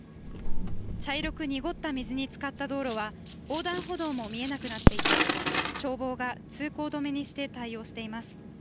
茶色く濁った水につかった道路は横断歩道も見えなくなっていて消防が通行止めにして対応しています。